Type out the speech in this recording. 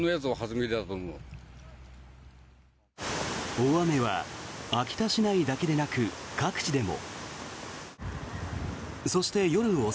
大雨は秋田市内だけでなく各地でも。